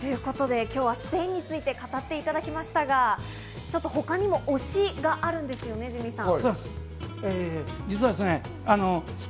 そうですね、今日はスペインについて語っていただきましたが、ちょっと他にも推しがあるんですよね、ジミーさん。